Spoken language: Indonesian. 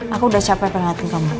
aku udah capek pengen ngantin kamu